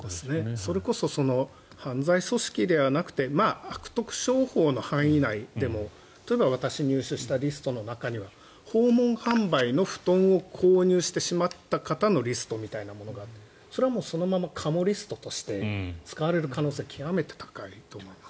それこそ犯罪組織ではなくて悪徳商法の範囲内でも例えば私が入手したリストの中には訪問販売の布団を購入してしまった方のリストみたいなものがあってそれはそのままカモリストとして使われる可能性は極めて高いと思います。